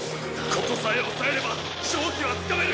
ここさえ押さえれば勝機はつかめる！